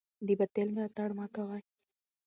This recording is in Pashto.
د باطل ملاتړ مه کوئ.